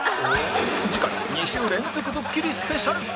次回２週連続ドッキリスペシャル